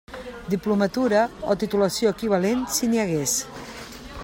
Diplomatura, o titulació equivalent si n'hi hagués.